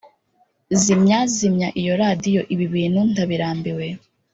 zimya, zimya iyo radio, ibi bintu ndabirambiwe